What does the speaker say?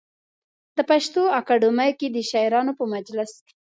د پښتو اکاډمۍ کې د شاعرانو په مجلس کې.